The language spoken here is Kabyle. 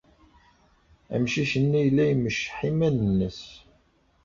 Amcic-nni yella imecceḥ iman-nnes.